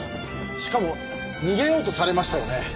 しかも逃げようとされましたよね？